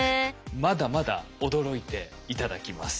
まだまだ驚いて頂きます。